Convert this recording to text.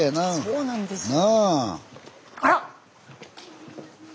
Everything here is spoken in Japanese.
そうなんですよ。